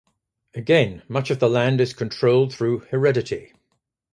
Again, much of the land is controlled through heredity.